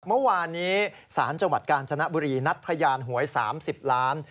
เมื่อวานนี้ศาลจังหวัดกาญจนบุรีนัดพยานหวย๓๐ล้าน